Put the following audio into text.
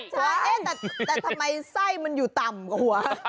ใช่แต่ทำไมไส้มันอยู่ต่ำกว่าหัว